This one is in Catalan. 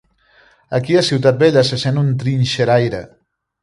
Aquí a Ciutat Vella se sent un trinxeraire.